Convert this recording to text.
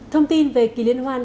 thông tin về kỳ liên hoan